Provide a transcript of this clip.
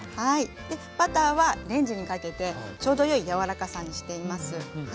はいでバターはレンジにかけてちょうど良い柔らかさにしています。